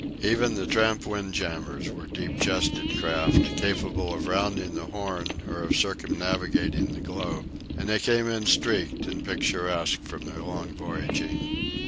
Even, the tramp windjammers were deep chested craft, capable of rounding the Horn or of circumnavigating the globe; and they came in streaked and picturesque from their long voyaging.